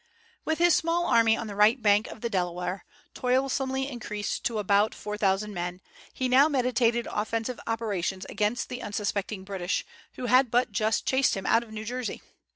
With his small army on the right bank of the Delaware, toilsomely increased to about four thousand men, he now meditated offensive operations against the unsuspecting British, who had but just chased him out of New Jersey.